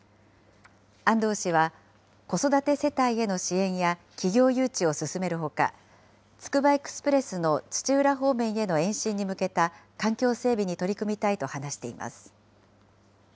安藤氏は、子育て世帯への支援や企業誘致を進めるほか、つくばエクスプレスの土浦方面への延伸に向けた環境整備に取り組みたいと話しています。